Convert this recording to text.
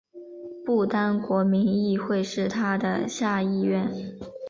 不丹国民议会是它的下议院。